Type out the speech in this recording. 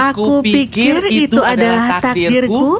aku pikir itu adalah takdirku